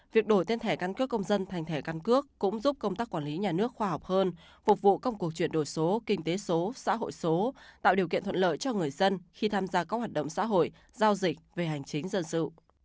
việc đổi tên thẻ căn cước công dân thành thẻ căn cước cũng giúp công tác quản lý nhà nước khoa học hơn phục vụ công cuộc chuyển đổi số kinh tế số xã hội số tạo điều kiện thuận lợi cho người dân khi tham gia các hoạt động xã hội giao dịch về hành chính dân sự